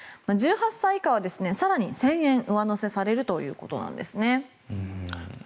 １８歳以下は更に１０００円上乗せされるということなんですね。